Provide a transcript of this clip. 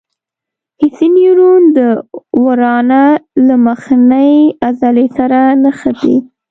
حسي نیورون د ورانه له مخنۍ عضلې سره نښتي.